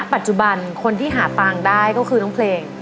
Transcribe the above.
ปัจจุบันคนที่หาปางได้ก็คือน้องเพลง